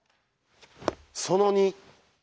その２。